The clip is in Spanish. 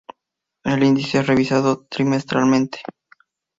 El índice es revisado trimestralmente.